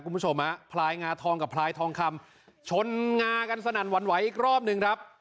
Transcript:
คุณผู้ชมฮะพลายงาทองกับพลายทองคำชนงากันสนั่นหวั่นไหวอีกรอบหนึ่งครับ